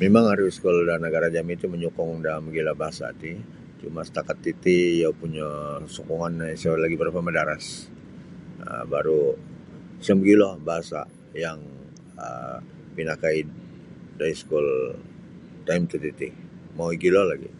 Mimang aru iskul da nagara jami ti manyukung da mogilo bahasa ti cuma setakat titi sukungan no isa lagi madaras sa mogilo bahasa pinakai da iskul taim tatiti mau igilo lagi.